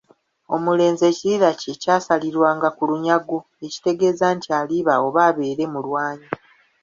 Omulenzi ekirira kye kyasalirwanga ku lunyago okutegeeza nti aliba oba abeere mulwanyi.